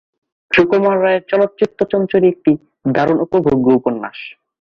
সুকুমার রায়ের চলচ্চিত্তচঞ্চরী একটা দারুণ উপভোগ্য উপন্যাস।